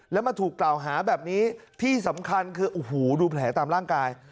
แล้วมาถูกกล่าวหาแบบนี้ที่สำคัญคือโอ้โหดูแผลตามร่างกาย